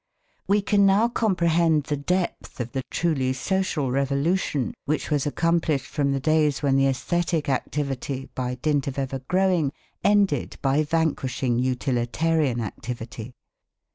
We can now comprehend the depth of the truly social revolution which was accomplished from the days when the æsthetic activity, by dint of ever growing, ended by vanquishing utilitarian activity.